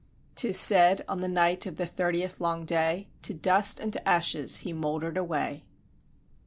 'T is said, on the night of the thirtieth long day, To dust and to ashes he moulder'd away.